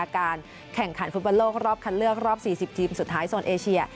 การแข่งขันฟุตบอลโลกรอบคัดเลือกรอบ๔๐ทีมสุดท้ายโซนเอเชีย